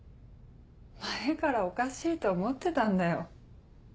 前からおかしいと思ってたんだよ。